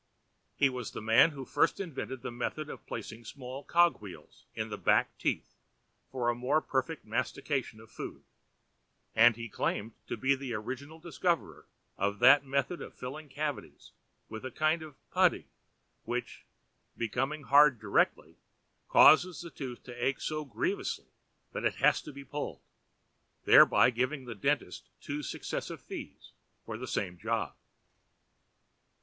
He was the man who first invented the method of placing small cog wheels in the back teeth for the more perfect mastication of food, and he claimed to be the original discoverer of that method of filling cavities with a kind of putty which, becoming hard directly, causes the tooth to ache so grievously that it has to be pulled, thereby giving the dentist two successive fees for the same job.